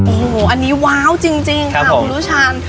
โอ้โหอันนี้ว้าวจริงครับครูลูชัน